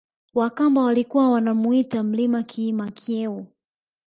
Wakamba walikuwa wanauita mlima kiima Kyeu